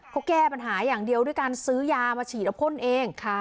เขาแก้ปัญหาอย่างเดียวด้วยการซื้อยามาฉีดแล้วพ่นเอง